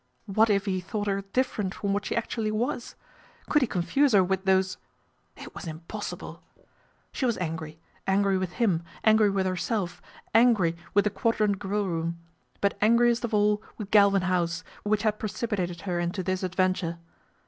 What if he thought her different from what she actually was ? Could he confuse her with those It was impossible! She was angry ; angry with him, angry with her self, angry with the Quadrant Grill room ; but angriest of all with Galvin House, which had pre cipitated her into this adventure.